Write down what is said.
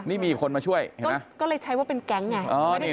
นี่มีคนมาช่วยก็เลยใช้ว่าเป็นแก๊งไง